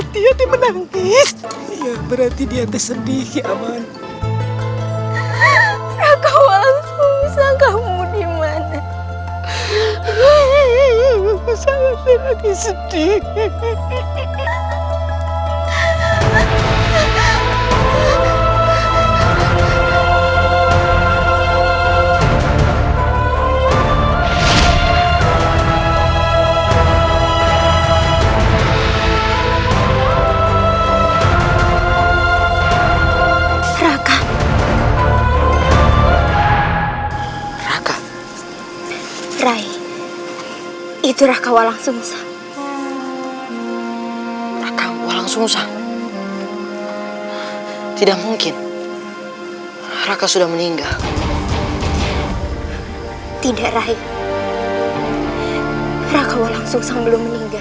tidak rai raka walang sungsang belum meninggal